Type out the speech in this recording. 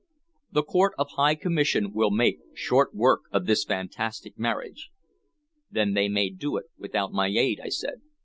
The Court of High Commission will make short work of this fantastic marriage." "Then they may do it without my aid," I said.